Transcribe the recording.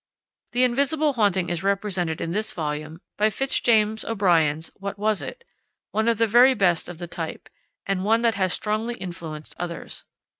The invisible haunting is represented in this volume by Fitz James O'Brien's What Was It? one of the very best of the type, and one that has strongly influenced others.